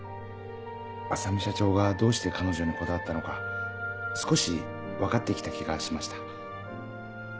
浅海社長がどうして彼女にこだわったのか少し分かって来た気がしました。